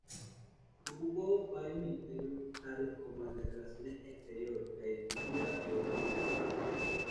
Ocupó varios ministerios tales como el de Relaciones Exteriores, Agricultura y Obras Públicas.